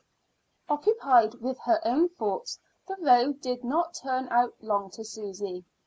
Occupied with her own thoughts, the road did not turn out long to Susy.